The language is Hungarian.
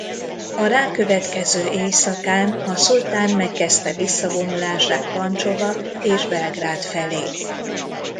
A rákövetkező éjszakán a szultán megkezdte visszavonulását Pancsova és Belgrád felé.